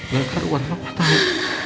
biar karuan apa tau